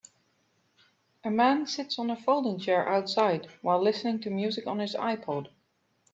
A man sits on a folding chair outside while listening to music on his iPod.